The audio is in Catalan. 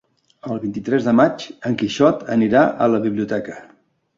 El vint-i-tres de maig en Quixot anirà a la biblioteca.